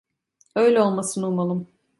Öyle olmasını umalım.